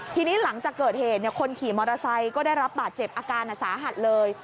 ทีนี้หลังจากเกิดเหตุคนขี่มอเตอร์ไซค์ก็ได้รับบาดเจ็บอาการสาหัสเลย